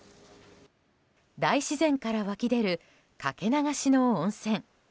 大自然から湧き出るかけ流しの温泉。